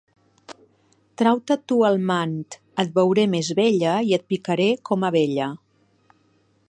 Trau-te tu el mant; et veuré més bella i et picaré com abella.